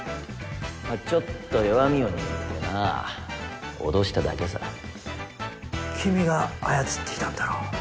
ちょっと弱みを握ってなぁ脅しただけさ君が操っていたんだろう。